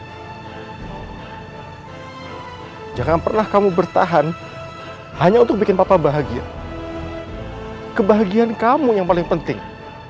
hai jangan pernah kamu bertahan hanya untuk bikin papa bahagia kebahagiaan kamu yang paling penting